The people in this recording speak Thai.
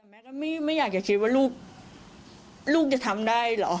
แม่ก็ไม่อยากจะคิดว่าลูกจะทำได้เหรอ